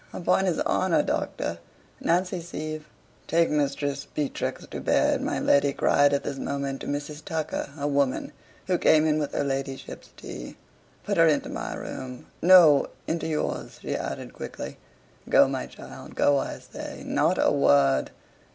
"Upon his HONOR, Doctor Nancy Sieve ..." "Take Mistress Beatrix to bed," my lady cried at this moment to Mrs. Tucker her woman, who came in with her ladyship's tea. "Put her into my room no, into yours," she added quickly. "Go, my child: go, I say: not a word!"